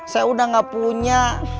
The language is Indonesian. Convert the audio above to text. saya udah gak punya